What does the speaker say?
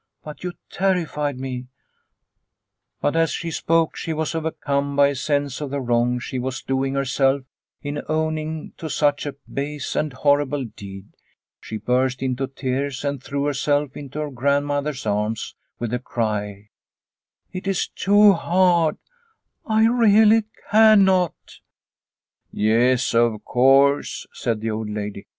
But you terrified me ..." But as she spoke she was overcome by a sense of the wrong she was doing herself in owning to such a base and horrible deed. She burst into tears and threw herself into her grandmother's arms with the cry, "It is too hard, I really cannot." " Yes, of course," said the old lady.